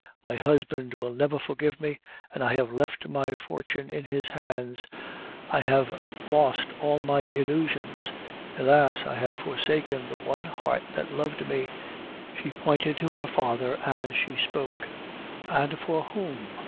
My husband will never forgive me, and I have left my fortune in his hands. I have lost all my illusions. Alas! I have forsaken the one heart that loved me (she pointed to her father as she spoke), and for whom?